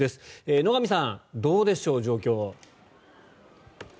野上さんどうでしょう、状況。